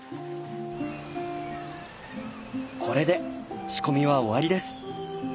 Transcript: これで仕込みは終わりです。